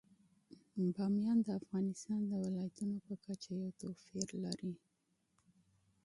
بامیان د افغانستان د ولایاتو په کچه یو توپیر لري.